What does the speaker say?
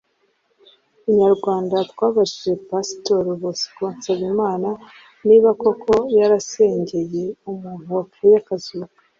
Inyarwanda twabajije Pastor Bosco Nsabimana niba koko yarasengeye umuntu wapfuye akazuka